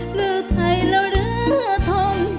หรือไทยแล้วหรือธรรม